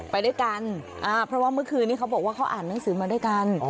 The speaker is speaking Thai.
ไปด้วยกันเพราะว่าเมื่อคืนนี้เขาบอกว่าเขาอ่านหนังสือมาด้วยกัน